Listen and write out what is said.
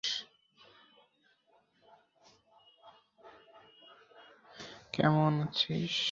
যাইহোক, গবাদি পশু বৃদ্ধির জন্যও ঘোড়া ব্যবহারের প্রয়োজনীয়তা ছিল।